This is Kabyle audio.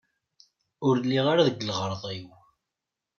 Ur lliɣ ara deg lɣerḍ-iw!